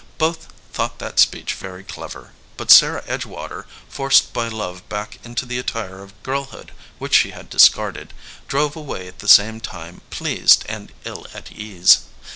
Both thought that speech very clever; but Sarah Edgewater, forced by love back into the attire of girlhood which she had discarded, drove away at the same time pleased and ill at ease.